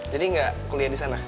jadi gak kuliah disana